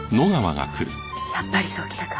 やっぱりそうきたか。